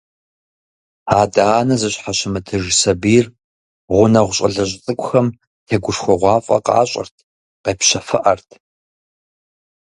Адэ-анэ зыщхьэщымытыж сэбийр, гъунэгъу щалэжь цӏыкӏухэм тегушхуэгъуафӏэ къащӏырт, къепщэфыӏэрт.